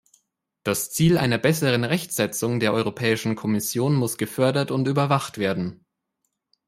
Das Ziel einer besseren Rechtsetzung der Europäischen Kommission muss gefördert und überwacht werden.